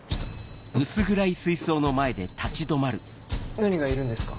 何がいるんですか？